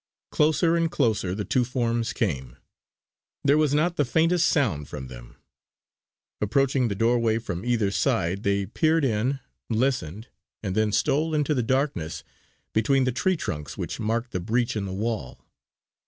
Closer and closer the two forms came. There was not the faintest sound from them. Approaching the door way from either side they peered in, listened, and then stole into the darkness between the tree trunks which marked the breach in the wall.